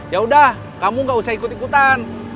ya udah kamu gak usah ikut ikutan